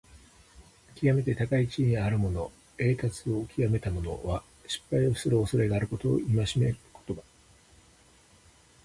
きわめて高い地位にあるもの、栄達をきわめた者は、失敗をするおそれがあることを戒める言葉。